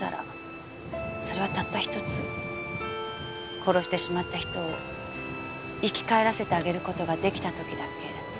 殺してしまった人を生き返らせてあげる事が出来た時だけ。